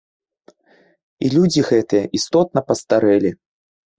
І людзі гэтыя істотна пастарэлі.